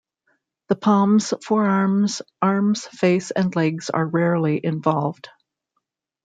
The palms, forearms, arms, face, and legs are rarely involved.